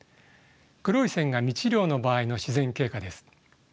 黒い線が未治療の場合の自然経過です。